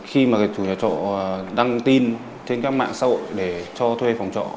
khi mà chủ nhà trọ đăng tin trên các mạng xã hội để cho thuê phòng trọ